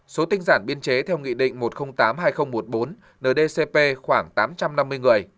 số tinh giản biên chế theo nghị định một trăm linh tám hai nghìn một mươi bốn ndcp khoảng tám trăm năm mươi người